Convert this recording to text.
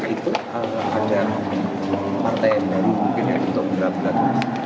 itu ada partai yang dari pdip atau berat berat